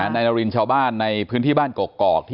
นายนารินชาวบ้านในพื้นที่บ้านกอก